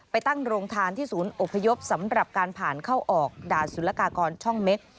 ไปตั้งโรงทานที่ศูนย์อพยพสำหรับการผ่านเข้าออกด่านสุรกากรช่องเม็ก